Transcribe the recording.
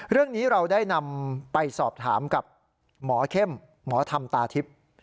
เรื่องนี้เราได้นำไปสอบถามกับหมอเข้มหมอธรรมตาทิพย์